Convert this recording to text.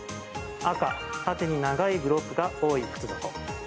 赤・縦に長いブロックが多い靴底。